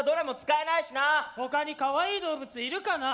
ほかにかわいい動物いるかな？